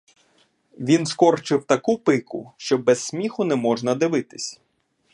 Він скорчив таку пику, що без сміху не можна дивитись.